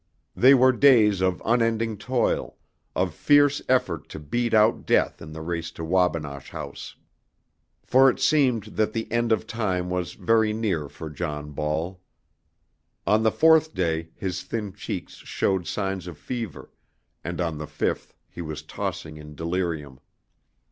They were days of unending toil, of fierce effort to beat out death in the race to Wabinosh House. For it seemed that the end of time was very near for John Ball. On the fourth day his thin cheeks showed signs of fever, and on the fifth he was tossing in delirium.